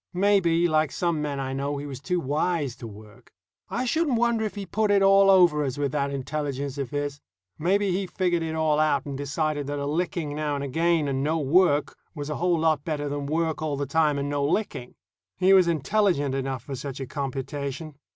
Maybe, like some men I know, he was too wise to work. I shouldn't wonder if he put it all over us with that intelligence of his. Maybe he figured it all out and decided that a licking now and again and no work was a whole lot better than work all the time and no licking. He was intelligent enough for such a computation.